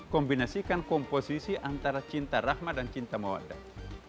kombinasikan komposisi antara cinta rahmat dan cinta mawadah